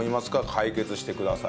解決してくださいと。